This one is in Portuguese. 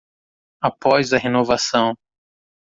Após a renovação